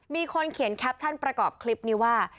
มีคนเขียนแคปชั่นประกอบคลิปนี้ว่า